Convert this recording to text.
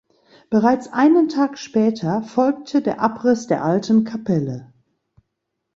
Bereits einen Tag später folgte der Abriss der alten Kapelle.